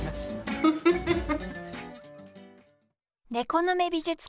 フフフフフ！